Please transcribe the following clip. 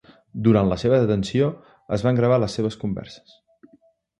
Durant la seva detenció, es van gravar les seves converses.